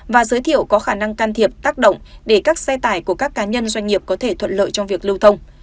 và giới thiệu có khả năng can thiệp tác động để các xe tải của các cá nhân doanh nghiệp có thể thuận lợi trong việc lưu thông